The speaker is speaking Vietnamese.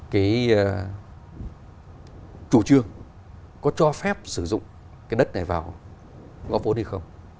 cái chủ trương có cho phép sử dụng cái đất này vào ngõ phố này không